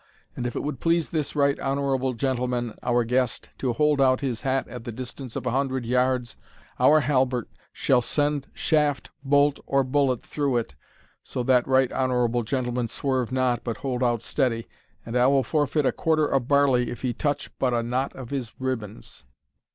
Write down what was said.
And if it would please this right honourable gentleman, our guest, to hold out his hat at the distance of a hundred yards, our Halbert shall send shaft, bolt, or bullet through it, (so that right honourable gentleman swerve not, but hold out steady,) and I will forfeit a quarter of barley if he touch but a knot of his ribands.